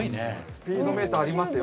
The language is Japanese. スピードメーターありますよ。